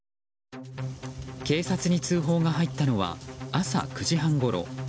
警察に通報が入ったのは朝９時半ごろ。